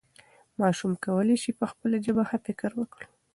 ماشوم کولی سي په خپله ژبه ښه فکر وکړي.